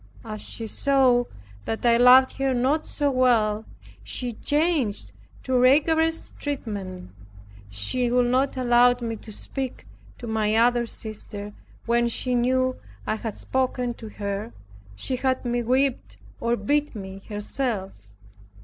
As she saw that I loved her not so well, she changed to rigorous treatment. She would not allow me to speak to my other sister. When she knew I had spoken to her, she had me whipped, or beat me herself.